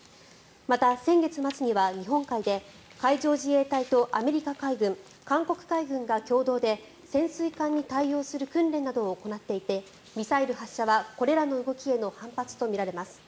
また、先月末には日本海で海上自衛隊とアメリカ海軍韓国海軍が共同で潜水艦に対応する訓練などを行っていてミサイル発射はこれらの動きへの反発とみられます。